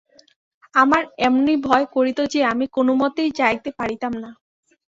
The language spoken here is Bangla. আমার এমনি ভয় করিত যে, আমি কোনোমতেই যাইতে পারিতাম না।